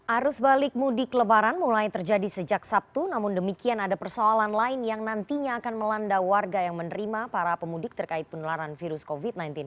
arus balik mudik lebaran mulai terjadi sejak sabtu namun demikian ada persoalan lain yang nantinya akan melanda warga yang menerima para pemudik terkait penularan virus covid sembilan belas